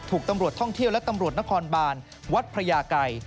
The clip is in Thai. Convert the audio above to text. ถูกตำรวจท่องเที่ยวและตำรวจนครบานวัดพระยาไกร